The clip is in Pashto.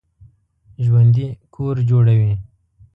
ژوندي کور جوړوي